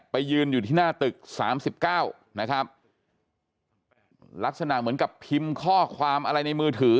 ยืนอยู่ที่หน้าตึกสามสิบเก้านะครับลักษณะเหมือนกับพิมพ์ข้อความอะไรในมือถือ